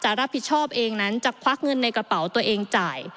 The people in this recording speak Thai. รับผิดชอบเองนั้นจะควักเงินในกระเป๋าตัวเองจ่าย